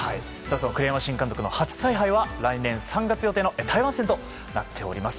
栗山新監督の初采配は来年３月の台湾戦となっております。